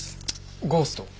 ゴースト？